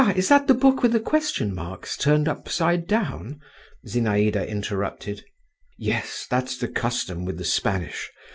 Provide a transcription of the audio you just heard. is that the book with the question marks turned upside down?" Zinaïda interrupted. "Yes. That's the custom with the Spanish.